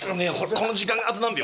この時間あと何秒？